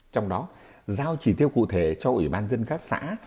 trong đó giao chỉ tiêu cụ thể cho ủy ban dân các xã